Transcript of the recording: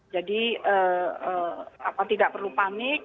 jadi tidak perlu panik